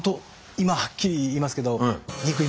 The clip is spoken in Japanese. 今はっきり言いますけど憎んだ。